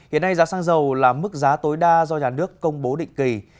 hiện nay giá xăng dầu là mức giá tối đa do nhà nước công bố định kỳ